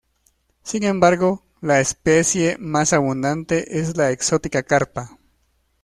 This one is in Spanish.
Sin embargo, la especie más abundante es la exótica carpa.